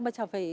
bà chẳng phải